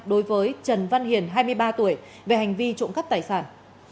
đối với trần văn hiền hai mươi ba tuổi về hành vi trộm cắp tài sản